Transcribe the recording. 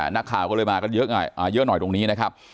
นักข่าวก็เลยมากันเยอะหน่อยตรงนี้นะครับ